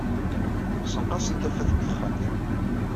Ssenqasen tafat deg texxamt.